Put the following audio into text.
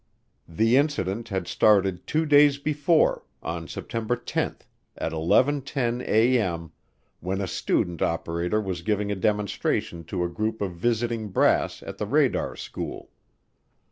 The incident had started two days before, on September 10, at 11:10A.M., when a student operator was giving a demonstration to a group of visiting brass at the radar school.